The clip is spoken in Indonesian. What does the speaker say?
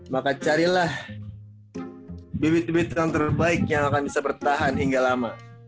maka carilah bibit bibit yang terbaik yang akan bisa bertahan hingga lama